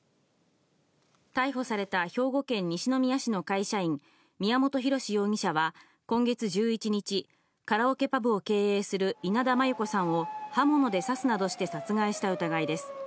逮捕された兵庫県西宮市の会社員、宮本浩志容疑者は今月１１日、カラオケパブを経営する稲田真優子さんを刃物で刺すなどして殺害した疑いです。